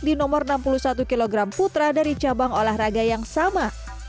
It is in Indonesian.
di nomor enam puluh satu kg putra dari cabang olahraga yang sama